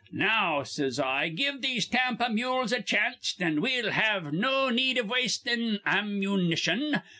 Now, says I, give these Tampa mules a chanst, an' we'll have no need iv wastin' ammun ni tion.